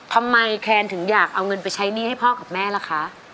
แคนถึงอยากเอาเงินไปใช้หนี้ให้พ่อกับแม่ล่ะคะ